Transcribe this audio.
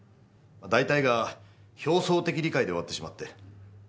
大体が表層的理解で終わってしまって。